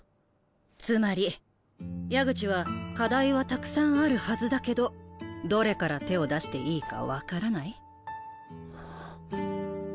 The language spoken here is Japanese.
つまり矢口は課題はたくさんあるはずだけどどれから手を出していいか分からない？